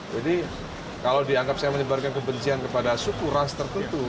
jadi kalau dianggap saya menyebarkan kebencian kepada suku ras tertentu